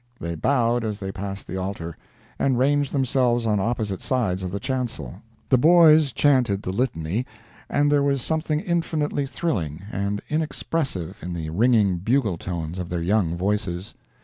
They bowed as they passed the altar, and ranged themselves on opposite sides of the chancel. The boys chanted the litany, and there was something infinitely thrilling and inexpressive in the ringing bugle tones of their young voices.